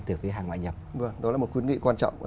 từ cái hàng ngoại nhập vâng đó là một khuyến nghị quan trọng